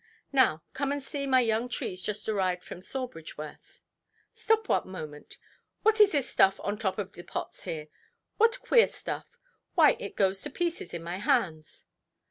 Now come and see my young trees just arrived from Sawbridgeworth". "Stop one moment. What is this stuff on the top of the pots here? What queer stuff! Why, it goes quite to pieces in my hands".